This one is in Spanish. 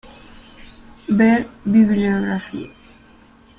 Ver bibliografía.